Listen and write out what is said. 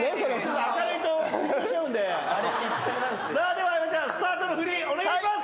では相葉ちゃんスタートの振りお願いします！